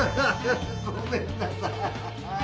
ごめんなさい！